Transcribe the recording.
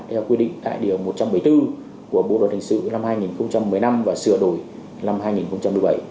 theo quy định tại điều một trăm bảy mươi bốn của bộ luật hình sự năm hai nghìn một mươi năm và sửa đổi năm hai nghìn một mươi bảy